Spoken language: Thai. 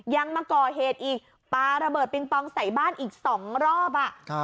ยังมาก่อเหตุอีกปลาระเบิดปิงปองใส่บ้านอีก๒รอบ